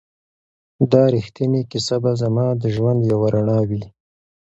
دا ریښتینې کیسه به زما د ژوند یوه رڼا وي.